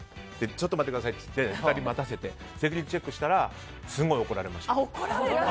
ちょっと待ってくださいって２人待たせてセキュリティーチェックしたらすごい怒られました。